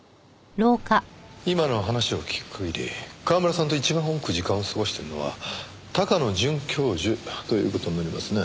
今の話を聞く限り川村さんと一番多く時間を過ごしているのは高野准教授という事になりますね。